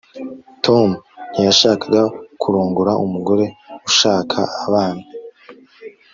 Tom ntiyashakaga kurongora umugore ushaka abana